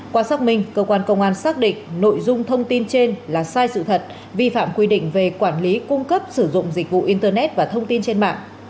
qua xác minh cơ quan công an xác định nội dung thông tin trên là sai sự thật vi phạm quy định về quản lý cung cấp sử dụng dịch vụ internet và thông tin trên mạng